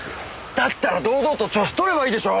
だったら堂々と聴取取ればいいでしょ！